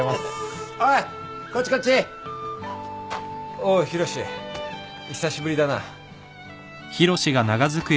おう浩志久しぶりだな。